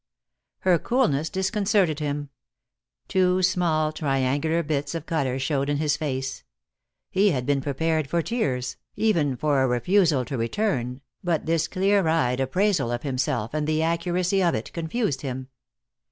Her coolness disconcerted him. Two small triangular bits of color showed in his face. He had been prepared for tears, even for a refusal to return, but this clear eyed appraisal of himself, and the accuracy of it, confused him.